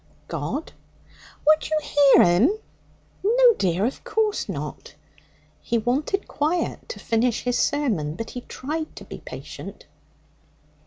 'God.' 'Would you hear 'Im?' 'No, dear; of course not.' He wanted quiet to finish his sermon, but he tried to be patient.